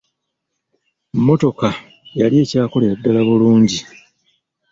Mmotoka yali ekyakolera ddala bulungi.